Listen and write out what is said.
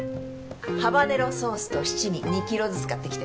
ハバネロソースと七味２ｋｇずつ買ってきて。